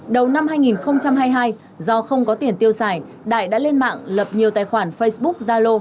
đầu năm hai nghìn hai mươi hai do không có tiền tiêu xài đại đã lên mạng lập nhiều tài khoản facebook zalo